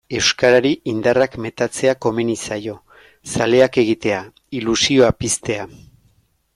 Euskarari indarrak metatzea komeni zaio, zaleak egitea, ilusioa piztea.